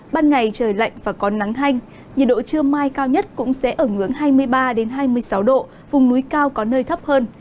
ban ngày trời lạnh và có nắng hanh nhiệt độ trưa mai cao nhất cũng sẽ ở ngưỡng hai mươi ba hai mươi sáu độ vùng núi cao có nơi thấp hơn